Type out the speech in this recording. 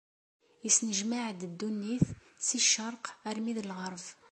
Isnejmaɛ-d ddunit, si ccerq armi d lɣerb.